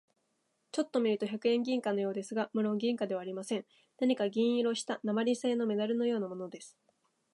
ちょっと見ると百円銀貨のようですが、むろん銀貨ではありません。何か銀色をした鉛製なまりせいのメダルのようなものです。